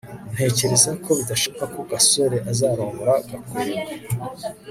ntekereza ko bidashoboka ko gasore azarongora gakwego